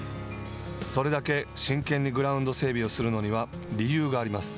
それだけ真剣にグラウンド整備をするのには、理由があります。